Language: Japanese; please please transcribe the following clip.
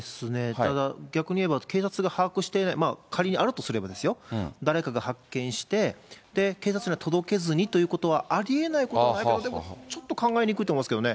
ただ、逆に言えば警察が把握していない、仮にあるとすればですよ、誰かが発見して、警察には届けずにということはありえないことではないけれども、でもちょっと考えにくいと思いますけどね。